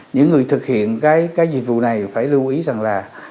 những người thực hiện cái dịch vụ này phải lưu ý rằng là